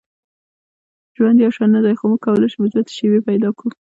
• ژوند یو شان نه دی، خو موږ کولی شو مثبتې شیبې پیدا کړو.